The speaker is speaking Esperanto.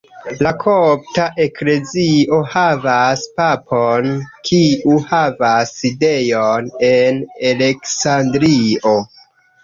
La kopta eklezio havas papon kiu havas sidejon en Aleksandrio.